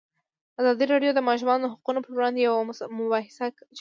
ازادي راډیو د د ماشومانو حقونه پر وړاندې یوه مباحثه چمتو کړې.